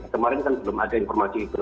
kemarin kan belum ada informasi itu